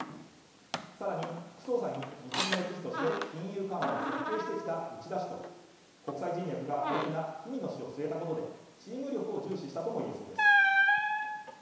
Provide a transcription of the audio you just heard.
さらに副総裁に日銀の理事として金融緩和を設計してきた内田氏と国際人脈が豊富な氷見野氏を据えたことでチーム力を重視したともいえそうです